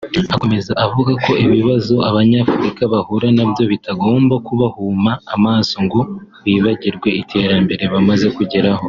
Akomeza avuga ko ibibazo Abanyafurika bahura nabyo bitagomba kubahuma amaso ngo bibagirwe iterambere bamaze kugeraho